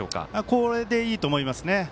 これでいいと思いますね。